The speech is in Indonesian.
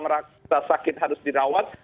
merasa sakit harus dirawat